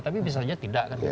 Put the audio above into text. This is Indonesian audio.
tapi bisa saja tidak kan